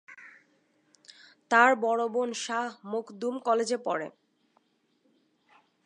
তার বড় বোন শাহ মখদুম কলেজে পড়ে।